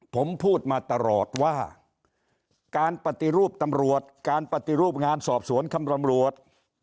ผมพูดมาตลอดว่าการปฏิรูปตำรวจการปฏิรูปงานสอบสวนคำตำรวจ